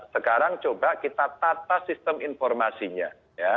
sekarang coba kita tata sistem informasinya ya